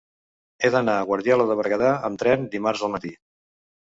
He d'anar a Guardiola de Berguedà amb tren dimarts al matí.